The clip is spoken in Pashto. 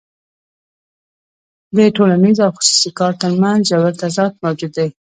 د ټولنیز او خصوصي کار ترمنځ ژور تضاد موجود دی